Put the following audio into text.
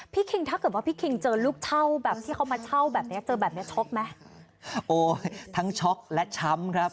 พี่คิ่งถ้าเกิดว่าพี่คิ่งเจอลูกเช่าแบบที่เขามาเช่าแบบเนี้ยเจอแบบแม่โอ้ทั้งช็อกและช้ำครับ